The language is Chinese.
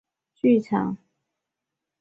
书写温柔又疏离的人间剧场。